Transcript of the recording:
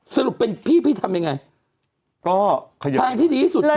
สรุปเป็นพี่พี่ทำยังไงก็ทางที่ดี